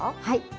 はい。